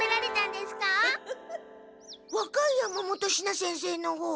わかい山本シナ先生のほう。